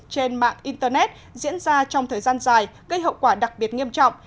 trên mạng internet diễn ra trong thời gian dài gây hậu quả đặc biệt nghiêm trọng